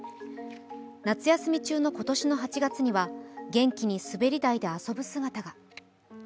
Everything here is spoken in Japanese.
夏休み中の今年の８月には元気に滑り台で遊ぶ姿が。